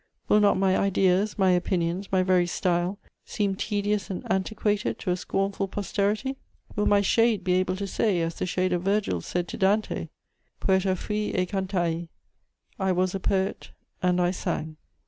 Will not my ideas, my opinions, my very style seem tedious and antiquated to a scornful posterity? Will my shade be able to say, as the shade of Virgil said to Dante: "Poeta fui e cantai: I was a poet and I sang?"